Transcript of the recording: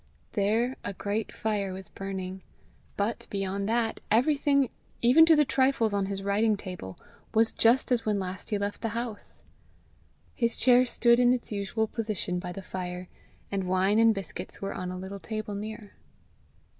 There a great fire was burning; but, beyond that, everything, even to the trifles on his writing table, was just as when last he left the house. His chair stood in its usual position by the fire, and wine and biscuits were on a little table near.